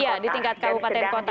iya di tingkat kabupaten kota